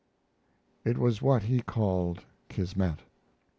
It was what he called Kismet.